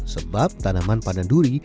sebab tanaman pandan duri